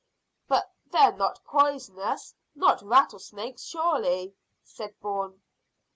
"But they're not poisonous not rattlesnakes, surely?" said Bourne.